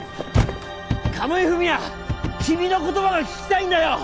鴨井文哉君の言葉が聞きたいんだよ！